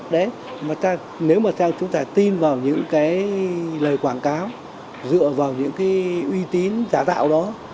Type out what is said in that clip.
đấy mà nếu mà theo chúng ta tin vào những cái lời quảng cáo dựa vào những cái uy tín giả tạo đó